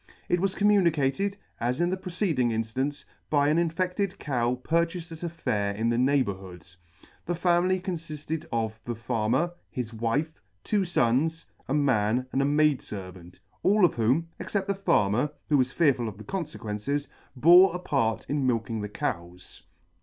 It was communicated, as in the pre ceding inftance, by an infe&ed cow purchafed at a fair in the neighbourhood. The family confifted of the Farmer, his wife, two fons, a man and a maid fervant ; all of whom, except the D Farmer, [ 18 ] Farmer (who was fearful of the confequences) bore a part in milking the cows.